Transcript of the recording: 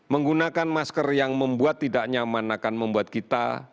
menggunakan masker yang membuat tidak nyaman akan membuat kita